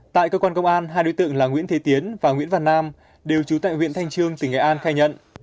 tại cơ quan công an hai đối tượng là nguyễn thế tiến và nguyễn văn nam đều trú tại huyện thanh trương tỉnh nghệ an khai nhận